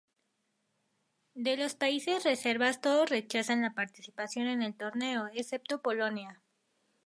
De los países reservas todos rechazan la participación en el torneo, excepto Polonia.